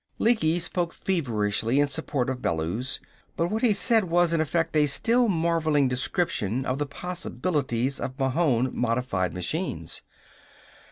Lecky spoke feverishly in support of Bellews. But what he said was, in effect, a still marveling description of the possibilities of Mahon modified machines.